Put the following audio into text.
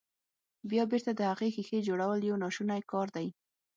بيا بېرته د هغې ښيښې جوړول يو ناشونی کار دی.